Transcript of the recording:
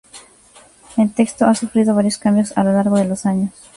El texto ha sufrido varios cambios a lo largo de los años.